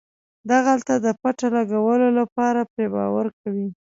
د غله د پته لګولو لپاره پرې باور کوي.